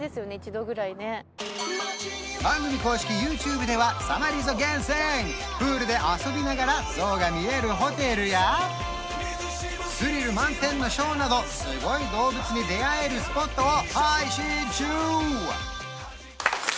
番組公式ＹｏｕＴｕｂｅでは「さまリゾ」厳選プールで遊びながらゾウが見えるホテルやスリル満点なショーなどすごい動物に出会えるスポットを配信中！